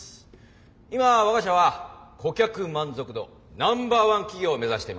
今我が社は顧客満足度ナンバーワン企業を目指しています。